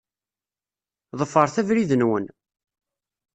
Ḍefṛet abrid-nwen.